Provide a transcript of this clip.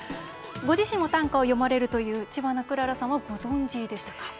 ご自身も短歌を詠まれるという知花くららさんはご存じでしたか？